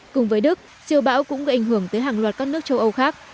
cùng với đức siêu bão cũng gây ảnh hưởng tới hàng loạt các nước châu âu khác